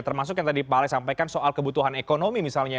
termasuk yang tadi pak alex sampaikan soal kebutuhan ekonomi misalnya